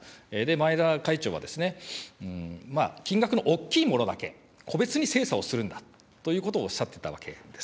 前田会長はですね、金額の大きいものだけ、個別に精査をするんだということをおっしゃってたわけです。